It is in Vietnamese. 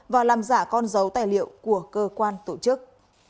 và làm giả con dấu tài liệu của cơ quan tổ chức